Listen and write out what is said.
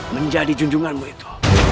menjadi junjunganmu itu